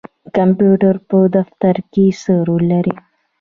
کمپیوټر په دفتر کې څه رول لري؟